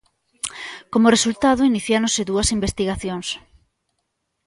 Como resultado iniciáronse dúas investigacións.